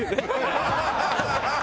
ハハハハ！